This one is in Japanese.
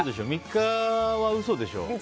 ３日は嘘でしょ。